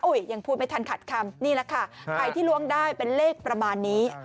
ยังพูดไม่ทันขัดคำนี่แหละค่ะใครที่ล้วงได้เป็นเลขประมาณนี้